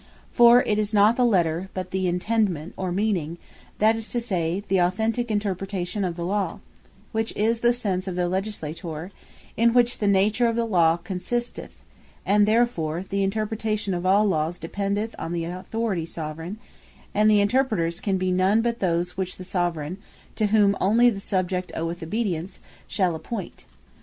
For it is not the Letter, but the Intendment, or Meaning; that is to say, the authentique Interpretation of the Law (which is the sense of the Legislator,) in which the nature of the Law consisteth; And therefore the Interpretation of all Lawes dependeth on the Authority Soveraign; and the Interpreters can be none but those, which the Soveraign, (to whom only the Subject oweth obedience) shall appoint.